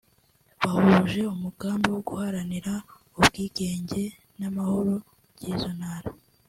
bahuje umugambi wo guharanira ubwigenge n’amahoro by’izo ntara